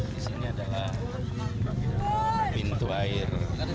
di sini adalah pintu air